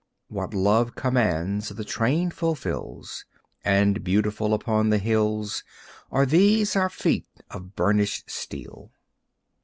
What Love commands the train fulfills, And beautiful upon the hills Are these our feet of burnished steel.